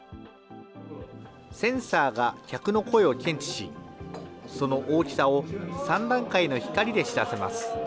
センサーが客の声を検知し、その大きさを３段階の光で知らせます。